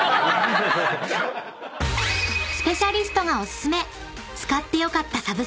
［スペシャリストがお薦め］